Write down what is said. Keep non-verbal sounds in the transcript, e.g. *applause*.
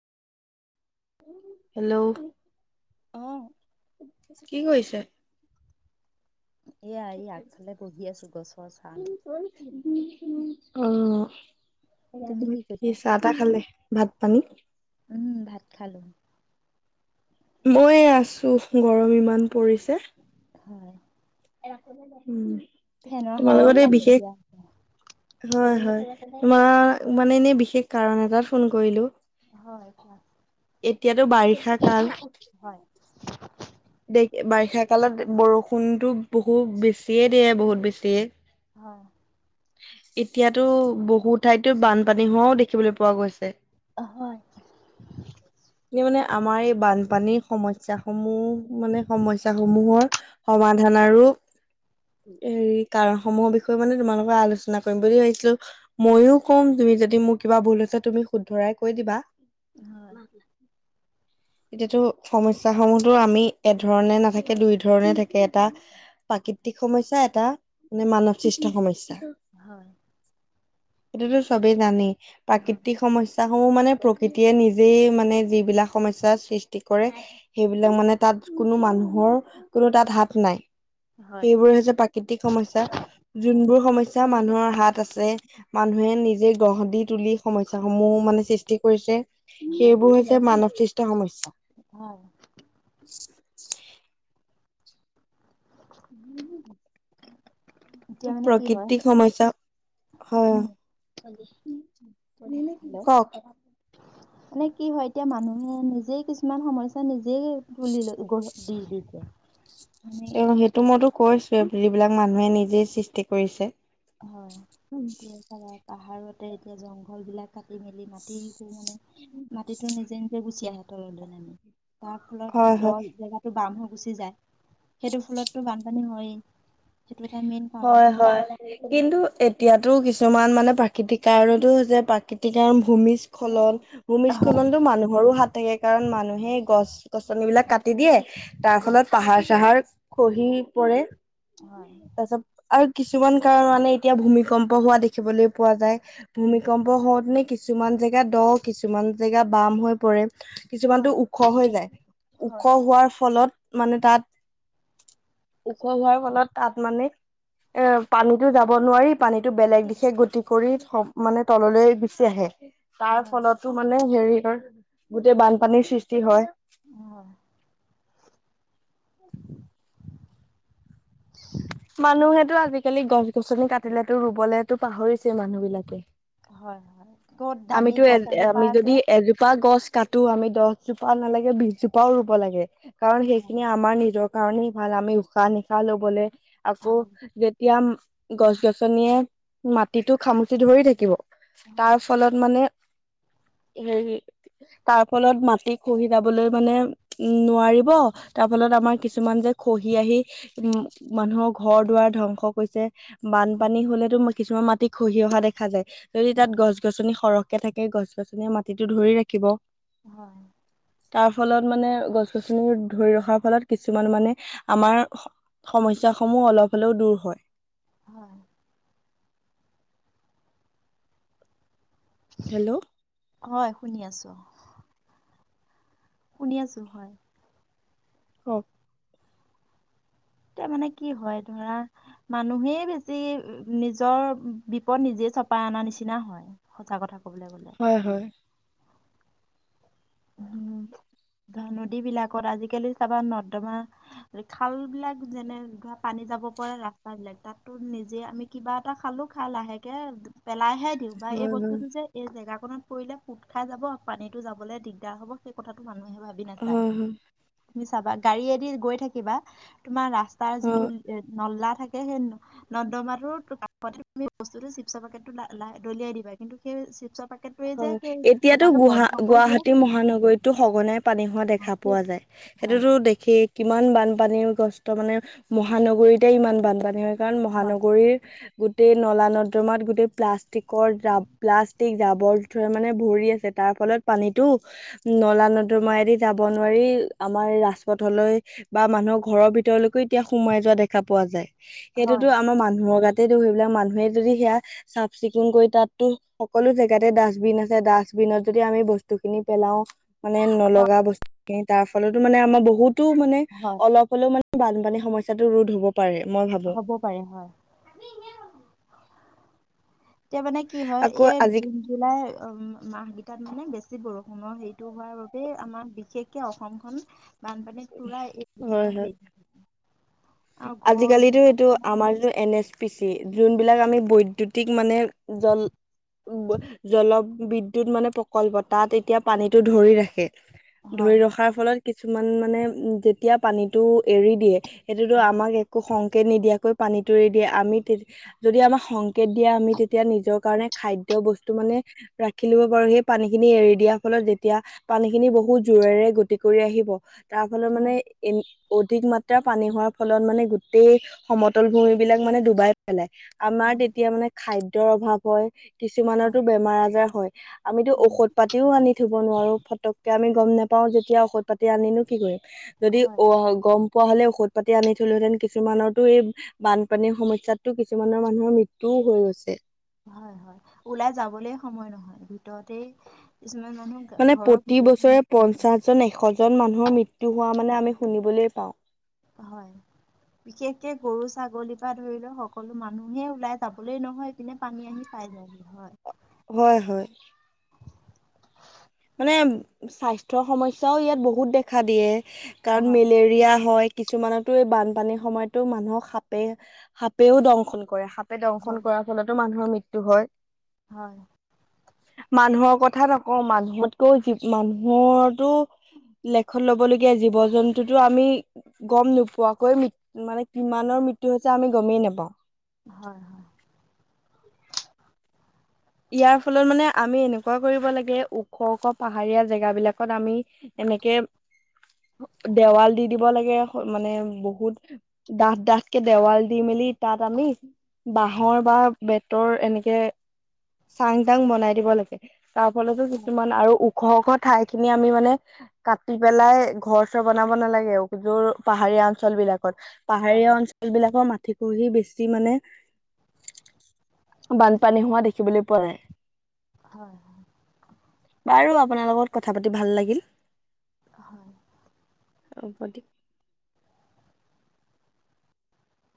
Hello অ কি কৰিছে? এয়া এই আগফালে বহি আছো গছৰ ছা *unintelligible* অ তুমি কি কৰিছা? চাহ তাহ খালে ভাত পানী উম ভাত খালো। ময়ে আছো গৰম ইমান পৰিছে। হয়। *inaudible* ফেনৰ তোমাৰ হাৱাও লগত এই কাম নাই বিশেষ দিয়া আ হয় হয় তোমাৰ মানে এনেই বিশেষ কাৰণ এটাত ফোন কৰিলো হয় ভ *unintelligible* এতিয়াতো বাৰিষা কাল। হয়, দে বাৰিষা কালত বৰষুণতো বহুত বেছিয়ে দিয়ে বহুত বেছিয়ে হয় এতিয়াতো বহুত ঠাইতো বানপানী হোৱাও দেখিবলৈ পোৱা গৈছে। হয়, কি মানে আমাৰ এই বানপানীৰ সমস্যা সমূহ মানে সমস্যা সমূহৰ সমাধান আৰু হেৰি কাৰণ সমূহৰ বিষয়ে মানে তোমালোকে আলোচনা কৰিম বুলি ভাবিছিলো ময়ও ক'ম তুমি যদি মোৰ কিবা ভুল হৈছে তুমি শুদ্ধৰাই কৈ দিবা হয়, এতিয়াতো সমস্যা সমূহতো আমি একধৰণে নাথাকে দুই ধৰণে থাকে এটা প্ৰাকৃতিক সমস্যা এটা মানে মানৱ সৃষ্ট সমস্যা - হয়। সেইটোতো চবেই জানেই প্ৰাকৃতিক সমস্যা। সম মানে প্ৰকৃতিয়ে নিজেই মানে যিবিলাক সমস্যাৰ সৃষ্টি কৰে সেইবিলাক মানে তাত কোনো মানুহৰ কোনো তাত হাত নাই হয়, সেইবোৰে হৈছে প্ৰাকৃতিক সমস্যা যোনবোৰ সমস্যা মানুহৰ হাত আছে মানুহে নিজে গঢ় দি তুলি সমস্যা স সমূহ মানে সৃষ্টি কৰিছে। হয়, সেইবোৰ হৈছে মানৱ সৃষ্ট সমস্যা হয় হয় *inaudible* এতিয়া মানে কি হয় প্ৰকৃতিক সমস্যা হ উম, *unintelligible* হেল্ল' ক মানে কি হয় এতিয়া মানুহে নিজেই কিছুমান সমস্যা নিজেই তুলি ল গঢ় দি দি ক *unintelligible* এ সেইটো মইতো কৈছোৱে যিবিলাক মানুহে নিজেই সৃষ্টি কৰিছে। হয় এ চা পাহাৰতে এতিয়া জংঘল বিলাক *unintelligible* কাটি মেলি মাটি মানে মাটিতো নিজে নিজে গুচি আহে তলত দমি *unintelligible* তাৰ ফলত হয় হয় দ জেগাতটো বাম হ গুচি যায় সেইটো ফলতটো বানপানী হয়েই সেইটো এটা মেইন কাৰণ হয় হয় কিন্তু এতিয়াতো কিছুমান মানে প্ৰাকৃতিক কাৰনতো হৈছে প্ৰাকৃতিক কাৰণ ভূমিস্খলন হয়। ভূমিস্খলনটো মানুহৰো হাত থাকে কাৰণ মানুহে গছ গছনিবিলাক কাট। কাটি দিয়ে তাৰ উম, ফলত পাহাৰ চাহাৰ খহি পৰে হয়, তাৰ পিছত। *unintelligible* আৰু কিছুমান কাৰণ মানে এতিয়া ভূমিকম্প হোৱা দেখিবলৈ পোৱা যায়। উম। ভূমিকম্প হওতে নে কি কিছুমান জেগা দ, কিছুমান জেগা বাম হৈ পৰে। হয়, কিছুমাটো ওখ হৈ যায়। হয়, ওখ হোৱাৰ ফলত মানে তাত ওখ হোৱাৰ ফলত তাত মানে এ পানীতো যাব নোৱাৰি, পানীটো বেলেগ দিশে গতি কৰি মানে তললৈ গুচি আহে। তাৰ হয়, ফলতো মানে হেৰি গোটেই বানপানীৰ সৃষ্টি হয়। অহ। মানুহেটো আজিকালি গছ গছনি কাটিলেতো ৰুবলেতো পাহৰিছে মানুহ বিলাকে। *unintelligible* হয় হয়। ক'ত দামী আমিতো এ গছ এজোপা আমি আছে যদি এজোপা গছ। কাটো আমি দহজোপা নালাগে বিশজোপাও ৰুব লাগে কাৰণ হয়, সেইখিনিে আমাৰ নিজৰ। কাৰণেই ভাল আমি উশাহ নিশাহ লবলৈ আকৌ হয়, যেতিয়া। গছ গছনিয়ে মাটিটো খামুচি ধৰি থাকিব হয়, তাৰ। হয়, মে হে তাৰ ফলত মাটি খহি যাবলৈ মানে উম নোৱাৰিব। তাৰ ফলত আমাৰ কিছুমান যে খহি আহি উম মানুহৰ ঘৰ দুৱাৰ ধ্বংস কৰিছে। হয়, বানপানী হলেতো কিছুমান মাটি খহি অহা দেখা যায়। যদি তাত গছ গছনি সৰহকে থাকে। গছ-গছনিয়ে মাটিটো ধৰি ৰাখিব। হয়। তাৰ ফলত মানে গছ-গছনি ধৰি ৰখাৰ ফলত কিছুমান মানে আমাৰ সমস্যা সমূহ অলপ হলেও দূৰ হয়। হয়। হেল্ল'। হয়, শুনি আছো। শুনি আছো, হয়। কওক। তাৰ মানে কি হয়, ধৰা মানুহেই বেছি নিজৰ বিপদ নিজে চপা অনা নিচিনা হয় সঁচা কথা ক হয়, হয়। *inaudible* ধ নদী বিলাকত আজিকালি চাবা নৰ্দমা খাল বিলাক, যেনে ধৰা পানী যাব পৰা ৰাস্তা বিলাক তাতটো নিজে আমি কিবা এটা খাল টো খাই লাহেকে পেলাইহে দিওঁ বা এই হয় বস্তুটো যে এই জেগাখনত পৰিলে পুত খাই যাব। পানীতটো যাবলৈ দিগ হব সেই কথাটো মানুহে ভাবি নাচায়। হয় হয় তুমি গাড়ীয়েদি গৈ থাকিবা, তোমাৰ ৰাস্তাৰ হয় যিটো নল্লা থাক নৰ্দমাটোৰ *unintelligible* বস্তুটো চিপছ পেকেটটো লা দলিয়াই দিবা। কিন্তু সেই চিপচ পেকেটটোৱে যে হয় সেই এতিয়াতো ফুটাটো গুহা বন্ধ কৰি দিয়ে, গুৱাহাটী সেই মহানগৰীতো সঘনাই পানী হোৱা অ' দেখা পোৱা সেইটোৱে যায়। হয়, সেইটোতো দেখেই কিমান বা বানপানী গ্ৰস্ত মানে মহানগৰীতে ইমান বানপানী হয়। কাৰণ হয়, মহানগৰীৰ গ গোটেই নলা নৰ্দমাত গোটেই প্লাষ্টিকৰ ডাব প্লাষ্টিক, জাবৰ মানে ভৰি আছে। তাৰ ফলত পানীতো নলা-নৰ্দমাইদি যাব নোৱাৰি আমাৰ ৰাজপথলৈ বা মানুহৰ ঘৰৰ ভিতৰলৈকো এতিয়া সোমাই যোৱা দেখা পোৱা যায়। সেইটোতো হয়, আমাৰ মানুহৰ গাত *unintelligible* ধৰি লোৱা মানুহে যদি সেয়া চাফ চিকুণ কৰি তাতো সকলো জেগাতে দা আছে ডাষ্টবিনত যদি আমি বস্তুখিনি পেলাও, মানে হয়, নলগা বছ তাৰ ফলতো মানে আমাৰ বহুতো মানে হয়, অলপ হলেও মানে বানপানী সমস্যাটো ৰোধ হ'ব। পাৰে মই ভাবো। হ'ব পাৰে হয়। এতিয়া মানে কি হয়, আকৌ এই আজি জুন জুলাই মাহ কিতাত মানে বেছি ছি বৰষুণৰ হেৰিটো হোৱাৰ বাবে আমাৰ বিশেষকে অসমখন বানপানীত পুৰা একদিনত হে আজিকালিটো এইটো আমাৰ যিটো অনিষ্ট এন এছ পি চি যোনবিলাক আমি বৈদুতিক মানে জল। জলবিদ্যুত মানে প্ৰকল্প তাত এতিয়া পানীতটো ধৰি ৰাখ। খে ধৰি হয়, ৰখাৰ ফলত কিছুমান মানে যেতিয়া পানীতটো এৰি দিয়ে। যিটো হয়, আমাক একো সংকেত নিদিয়াকৈ পানী তৰি দিয়ে আমি যদি আমাক সং। কেট দিয়া আমি তেতিয়া নিজৰ কাৰণে খাদ্য বস্তু মানে ৰাখি লব পাৰো। সেই পানী খিনি এৰি দিয়াৰ ফলত যেতিয়া পানী খিনি বহুত যো ৰে গতি কৰি আহিব। তাৰ ফলত মানে হয়, এ অধিক মাত্ৰা পানী হোৱাৰ ফলত মানে গোটেই সমতল ভূমি বিলাক মানে ডুবাই পেলায়। আমাৰ হয়, তেতিয়া মানে খাদ ত অভাৱ হয়। কিছুমানতো হয়, বেমাৰ-আজাৰ আমিতো উম, ঔষধ পাতিও আনি থব নোৱাৰো ফটককে আমি। গম নেপাও যেতিয়া ঔষধ পাতি আনিনো কি কৰিম যদি হয়। গম পোৱা হ'লে ঔষধ। পাতি আনি থলোহেতেন কিছুমানৰতো এই বানপানীৰ সমস্যাতটো কিছুমানৰ মানুহৰ মৃত্যুও হৈ গৈছে। হয় হয় ওলাই যাবলে সময় নহয় ভিতৰতে। কিছুমান মানুহ ঘ- মানে ঘৰৰ প্ৰতি বছৰে মৃত্যু- পঞ্চাশ জন এশ জন মানুহৰ মৃতু হোৱা মানে। নে আমি শুনিবলৈ পাওঁ। হয়। বিশেষকে গৰু ছাগলীৰ পৰা ধৰি লও সকলো মানুহে ওলাই যাবলৈ নহয় পিনে পানী আহি পায়। যাইহি হয়। হয় হয়। মানে স্বাস্থ্যৰ সমস্যাও ইয়াত বহুত দেখা দিয়ে। কাৰণ হয় মেলেৰিয়া হয়। কিছুমানতো এই বানপানীৰ সময়তো মানুহক সাপে সাপেও দংশন কৰে সাপ। দংশন হয় কৰাৰ ফলতো মানুহৰ মৃত্যু হয়। হয়। মানুহৰ কথা নকওঁ মানুহতকৈও লেখত লব লগগীয়া জীৱ জন্তুতো আমি গম নোপোৱাকৈ ম মানে কিমানৰ। মৃত্যু হৈছে আমি গমেই নাপাওঁ। হয় ইয়াৰ ফলত মানে আমি এনেকুৱা কৰিব লাগে ওখ ওখ পাহাৰীয়া জেগা বিলাকত আমি। সেনেকে। দেৱাল দি দিব লাগে মানে বহুত ডাঠ ডাঠকে দেৱাল দি মেল। লি তাত আমি বাহৰ বা বেতৰ এনেকে। চাং তাং বনাই দিব লাগে তাৰ ফলতো কিছুমান আৰু ওখ ওখ। ঠাই খিনি আমি মানে কাটি পেলাই ঘৰ চৰ বনাব নালাগে যৰ খত হয় পাহাৰীয়া অঞ্চল বিলাকৰ মাটিত। পহি বেছি মানে বানপানী হোৱা দেখিবলৈ পোৱা যায়। হয় হয়। বাৰু আপোনাৰ লগত কথা পাতি ভাল লাগিল। হয়। অ বদি।